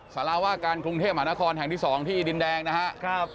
สารวาการกรุงเทพฯมหาคอน๒ที่ดินแดงนะครับ